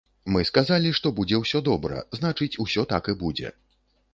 Мы сказалі, што будзе ўсё добра, значыць усё так і будзе!